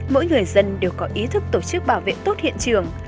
mỗi người dân đều có ý thức tổ chức bảo vệ tốt hiện trường